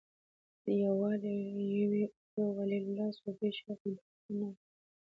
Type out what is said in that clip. یو ولي الله، صوفي، شیخ او دانا نه و